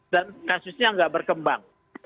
dan kasusnya gak berkembang